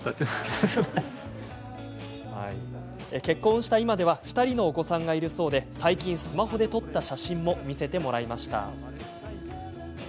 結婚した今では２人のお子さんがいるそうで最近スマホで撮った写真も見せてもらいました。